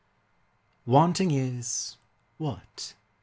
'" WANTING IS WHAT?